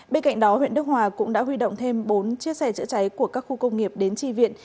bên cạnh đó huyện đức hòa cũng đã huy động thêm bốn chiếc xe chữa cháy của các khu công nghiệp đến tri viện